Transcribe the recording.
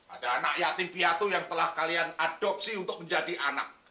ada anak yatim piatu yang telah kalian adopsi untuk menjadi anak